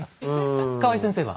河合先生は？